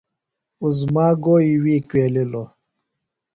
عظمیٰ گوئی وی کُویلِلوۡ؟